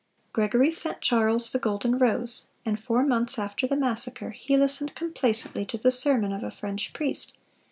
Gregory sent Charles the Golden Rose; and four months after the massacre, ... he listened complacently to the sermon of a French priest